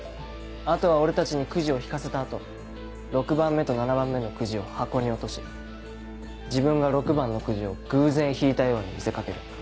あとは俺たちにくじを引かせた後６番目と７番目のくじを箱に落とし自分が６番のくじを偶然引いたように見せ掛ける。